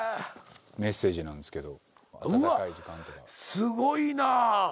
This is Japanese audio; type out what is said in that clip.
すごいなぁ！